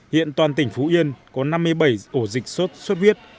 hiện toàn tỉnh phú yên có năm mươi bảy ổ dịch suốt suốt huyết